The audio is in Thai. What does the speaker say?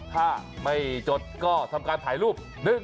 ถ้าไม่จดก็ทำการถ่ายรูป